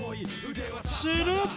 ［すると］